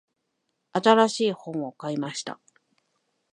新しい本を買いました。